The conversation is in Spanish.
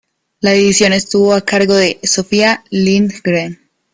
La edición estuvo a cargo de Sofía Lindgren.